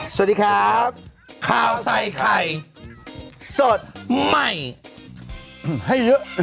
สวัสดีครับข้าวใส่ไข่สดใหม่ให้เยอะ